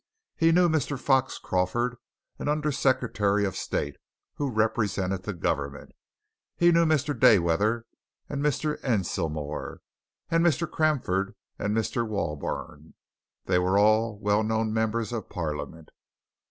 He knew Mr. Fox Crawford, an Under Secretary of State, who represented the Government; he knew Mr. Dayweather and Mr. Encilmore, and Mr. Camford and Mr. Wallburn; they were all well known members of Parliament.